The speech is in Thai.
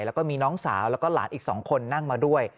แล้วก็มีน้องสาวแล้วก็หลานอีก๒คนนั่งมาด้วย